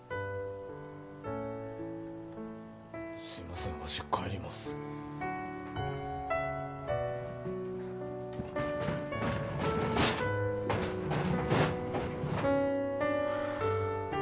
すいませんわし帰りますはあ